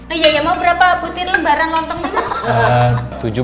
iya mau berapa butir lembaran lontongnya mas